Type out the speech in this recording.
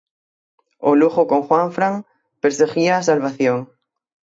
O Lugo con Juanfran perseguía a salvación.